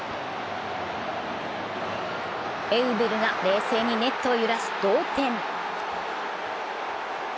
エウベルが冷静にネットを揺らし同点。